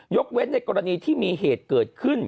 เว้นในกรณีที่มีเหตุเกิดขึ้น